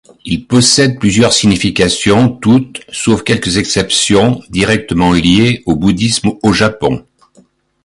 Il possède plusieurs significations, toutes, sauf quelques exceptions, directement liées au bouddhisme au Japon.